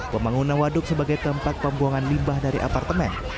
pembangunan waduk sebagai tempat pembuangan limbah dari apartemen